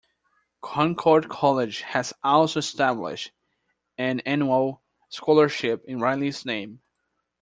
Concord College has also established an annual scholarship in Riley's name.